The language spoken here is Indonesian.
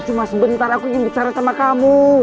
cuma sebentar aku ingin bicara sama kamu